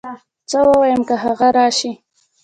څه ووايم که هغه راشي